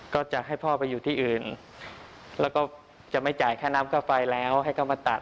ก็จะให้พ่อไปอยู่ที่อื่นแล้วก็จะไม่จ่ายค่าน้ำค่าไฟแล้วให้เขามาตัด